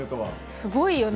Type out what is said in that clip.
すごいよね。